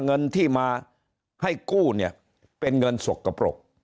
เงินที่มาให้กู้เนี่ยเป็นเงินสกปรก